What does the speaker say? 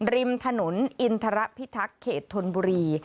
ริมถนนอินทรพิทักษ์เขตธนบุรี